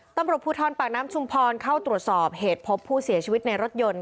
ตำรวจภูทรปากน้ำชุมพรเข้าตรวจสอบเหตุพบผู้เสียชีวิตในรถยนต์